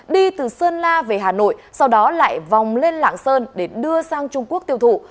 đi từ sơn la về hà nội sau đó lại vòng lên lạng sơn để đưa sang trung quốc tiêu thụ